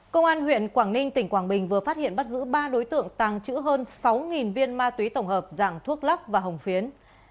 công an huyện quảng ninh tỉnh quảng bình vừa phát hiện bắt giữ ba đối tượng tàng trữ hơn sáu viên ma túy tổng hợp dạng thuốc lắc và hồng phiến